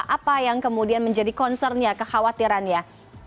apa yang kemudian menjadi concern ya kekhawatiran ya